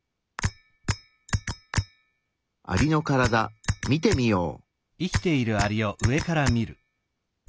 アリのカラダ見てみよう。